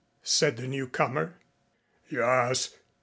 said the newcomer. "Yus.